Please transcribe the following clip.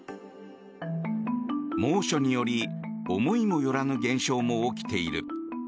猛暑により思いもよらぬ現象も起きている。